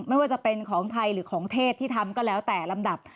ไม่ว่าจะเป็นของไทยหรือของเทศที่ทำก็แล้วแต่ลำดับ